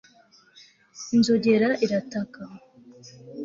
inzogera irataka